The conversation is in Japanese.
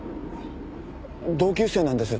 同級生なんです